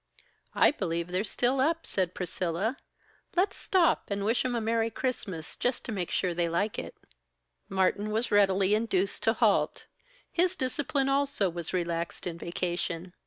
"I believe they're still up!" said Priscilla. "Let's stop and wish 'em a Merry Christmas, just to make sure they like it." Martin was readily induced to halt; his discipline also was relaxed in vacation.